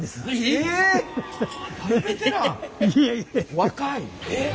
若い！